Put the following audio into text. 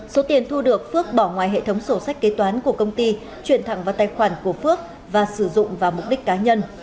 số tiền thu được phước bỏ ngoài hệ thống sổ sách kế toán của công ty chuyển thẳng vào tài khoản của phước và sử dụng vào mục đích cá nhân